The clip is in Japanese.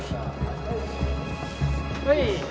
・はい。